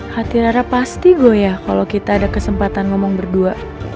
hati rara pasti gue ya kalau kita ada kesempatan ngomong berdua